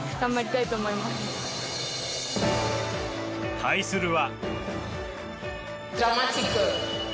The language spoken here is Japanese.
対するは。